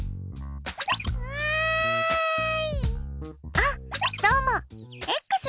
あっどうもです。